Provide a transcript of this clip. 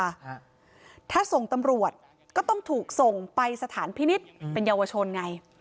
ฮะถ้าส่งตำรวจก็ต้องถูกส่งไปสถานพินิษฐ์เป็นเยาวชนไง